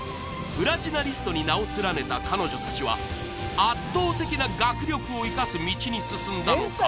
プラチナリストに名を連ねた彼女たちは圧倒的な学力を生かす道に進んだのか